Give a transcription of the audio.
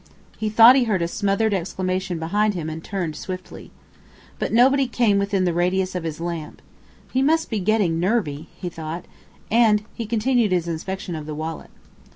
He thought he heard a smothered exclamation behind him and turned swiftly. But nobody came within the radius of his lamp. He must be getting nervy, he thought, and continued his inspection of the wallet.